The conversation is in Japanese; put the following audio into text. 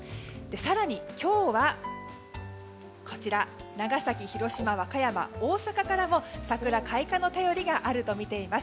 更に、今日は長崎、広島和歌山、大阪からも桜開花の便りがあるとみています。